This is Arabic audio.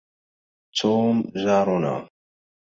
توم جارنا.